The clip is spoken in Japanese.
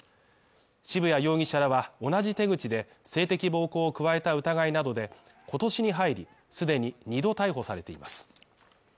渋谷容疑者らは、同じ手口で性的暴行を加えた疑いなどで、今年に入り既に２度逮捕されています。